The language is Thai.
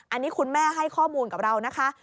อันนี้คุณแม่ให้ข้อมูลกับเรานะคะ